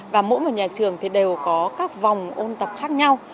và mỗi một nhà trường thì đều có các vòng ôn tập khác nhau